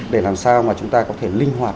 để làm sao mà chúng ta có thể linh hoạt